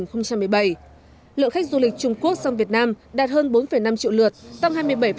lượng khách du lịch trung quốc sang việt nam đạt hơn bốn năm triệu lượt tăng hai mươi bảy